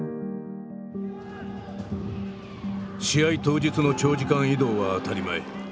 試合当日の長時間移動は当たり前。